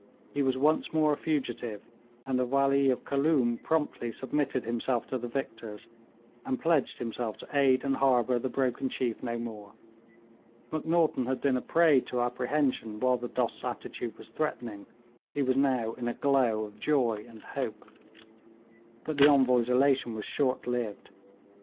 He was once more a fugitive, and the Wali of Khooloom promptly submitted himself to the victors, and pledged himself to aid and harbour the broken chief no more. Macnaghten had been a prey to apprehension while the Dost's attitude was threatening; he was now in a glow of joy and hope. But the Envoy's elation was short lived.